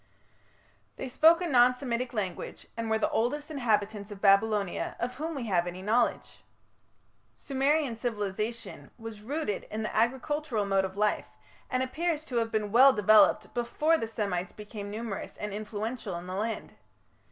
They spoke a non Semitic language, and were the oldest inhabitants of Babylonia of whom we have any knowledge. Sumerian civilization was rooted in the agricultural mode of life, and appears to have been well developed before the Semites became numerous and influential in the land.